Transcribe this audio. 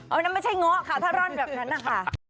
นั่นไม่ใช่ง้อค่ะถ้าร่อนแบบนั้นน่ะค่ะ